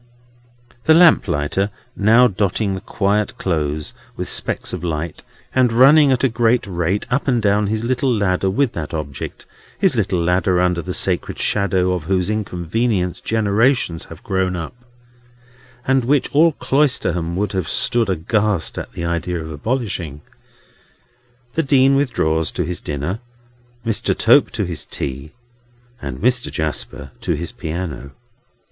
The lamplighter now dotting the quiet Close with specks of light, and running at a great rate up and down his little ladder with that object—his little ladder under the sacred shadow of whose inconvenience generations had grown up, and which all Cloisterham would have stood aghast at the idea of abolishing—the Dean withdraws to his dinner, Mr. Tope to his tea, and Mr. Jasper to his piano.